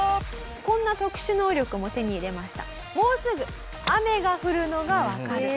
こんな特殊能力も手に入れました。